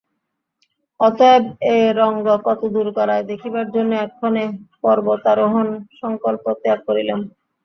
অতএব এ রঙ্গ কতদূর গড়ায়, দেখিবার জন্য এক্ষণে পর্বতারোহণ-সংকল্প ত্যাগ করিলাম।